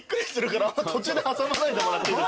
途中で挟まないでもらっていいですか？